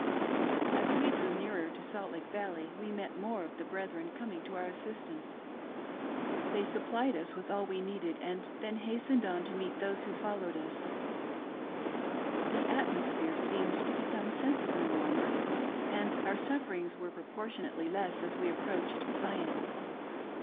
" As we drew nearer to Salt Lake Valley we met more of the brethren coming to our assistance. They supplied us with all we needed, and then hastened on to meet those who followed us. The atmosphere seemed to become sensibly warmer, and our sufferings were proportionately less as we approached Zion.